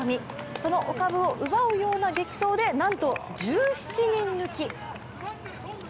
そのお株を奪うような激走でなんと１７人抜き。